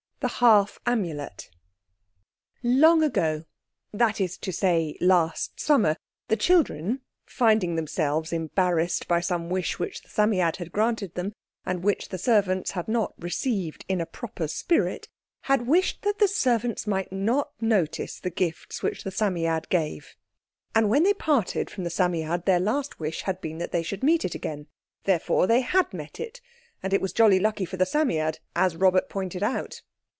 THE HALF AMULET Long ago—that is to say last summer—the children, finding themselves embarrassed by some wish which the Psammead had granted them, and which the servants had not received in a proper spirit, had wished that the servants might not notice the gifts which the Psammead gave. And when they parted from the Psammead their last wish had been that they should meet it again. Therefore they had met it (and it was jolly lucky for the Psammead, as Robert pointed out).